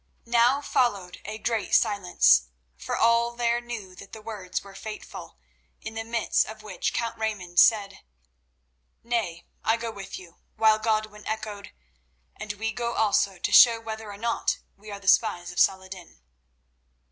Now followed a great silence, for all there knew that the words were fateful, in the midst of which Count Raymond said: "Nay, I go with you," while Godwin echoed, "And we go also to show whether or not we are the spies of Saladin."